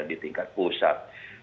di tingkat pusat